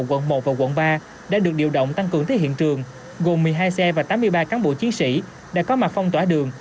quận một và quận ba đã được điều động tăng cường tới hiện trường gồm một mươi hai xe và tám mươi ba cán bộ chiến sĩ đã có mặt phong tỏa đường